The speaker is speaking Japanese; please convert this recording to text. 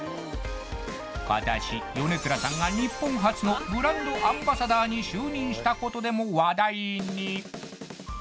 今年米倉さんが日本初のブランドアンバサダーに就任したことでも話題に！